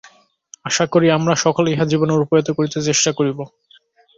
আশা করি, আমরা সকলে ইহা জীবনে রূপায়িত করিতে চেষ্টা করিব।